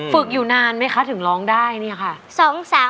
ฝึกอยู่นานไหมคะถึงร้องได้เนี่ยค่ะ